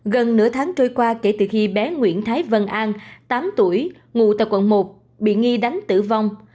gần nửa tháng trôi qua kể từ khi bé nguyễn thái vân an tám tuổi ngụ tại quận một bị nghi đánh tử vong